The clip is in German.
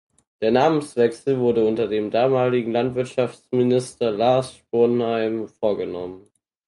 Der Namenswechsel wurde unter dem damaligen Landwirtschaftsminister Lars Sponheim vorgenommen.